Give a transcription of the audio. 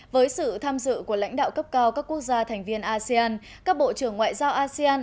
với sự tham dự của lãnh đạo cấp cao các quốc gia thành viên asean các bộ trưởng ngoại giao asean